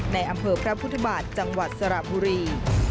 ในอำเภอพระพุทธบาทจังหวัดสระบุรี